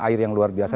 air yang luar biasa